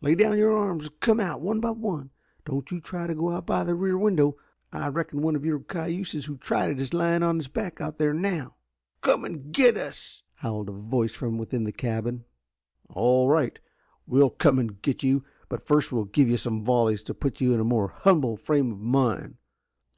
"Lay down your arms and come out one by one. Don't try to go out by the rear window. I reckon one of your cayuses who tried it is lying on his back out there now." "Come and get us!" howled a voice from within the cabin. "All right, we'll come and get you, but first we'll give you some volleys to put you in a more humble frame of mind.